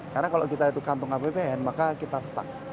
karena kalau kita itu kantong kppn maka kita stuck